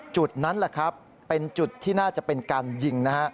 จุดนั้นแหละครับเป็นจุดที่น่าจะเป็นการยิงนะฮะ